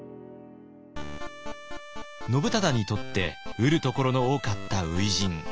信忠にとって得るところの多かった初陣。